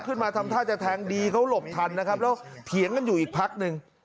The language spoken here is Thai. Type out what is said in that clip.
ทำท่าจะแทงดีเขาหลบทันนะครับแล้วเถียงกันอยู่อีกพักหนึ่ง